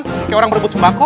kayak orang merebut sembako